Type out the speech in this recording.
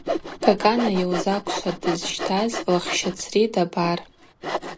Кӏакӏана йылзаквшватӏ дызщтаз – Лахщацри дабар.